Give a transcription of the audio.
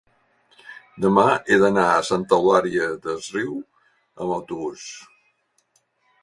Demà he d'anar a Santa Eulària des Riu amb autobús.